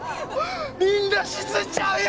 みんな沈んじゃうよ！